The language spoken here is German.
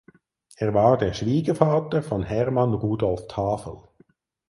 Er war der Schwiegervater von Hermann Rudolf Tafel.